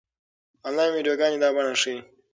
انلاين ويډيوګانې دا بڼه ښيي.